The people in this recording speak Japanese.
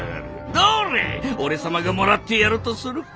どれ俺様がもらってやるとするか。